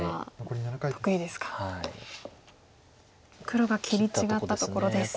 黒が切り違ったところです。